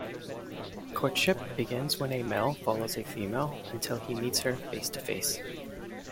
Courtship begins when a male follows a female until he meets her face-to-face.